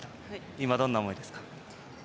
今、どんな思いですか。